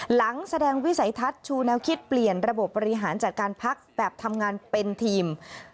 หลังแสดงวิสัยทัศน์ชูแนวคิดเปลี่ยนระบบบบริหารจัดการพักแบบทำงานเป็นทีม